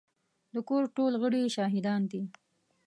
د کور ټول غړي يې شاهدان دي.